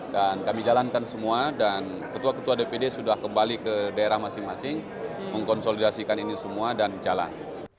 dan kami jalankan semua dan ketua ketua dpd sudah kembali ke daerah masing masing mengkonsolidasikan ini semua dan jalan